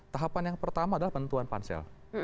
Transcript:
tahapan yang pertama adalah penentuan pansel